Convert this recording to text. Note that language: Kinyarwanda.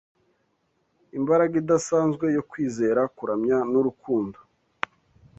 imbaraga idasanzwe yo kwizera kuramya n’urukundo.